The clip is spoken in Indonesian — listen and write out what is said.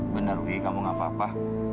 benar ui kamu gak apa apa